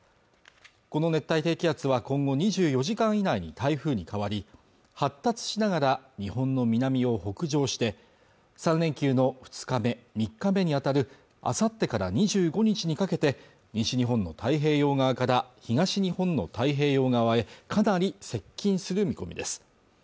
この熱帯低気圧は今後２４時間以内に台風に変わり発達しながら日本の南を北上して３連休の２日目３日目に当たるあさってから２５日にかけて西日本の太平洋側から東日本の太平洋側へかなり接近する見込みです